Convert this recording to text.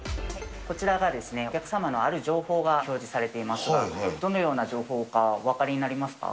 こちらが、お客様のある情報が表示されていますが、どのような情報かお分かりになりますか。